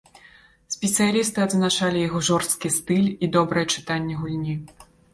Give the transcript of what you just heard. Спецыялісты адзначалі яго жорсткі стыль і добрае чытанне гульні.